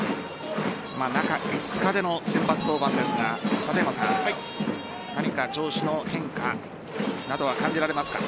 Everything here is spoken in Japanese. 中５日での先発登板ですが何か調子の変化などは感じられますか？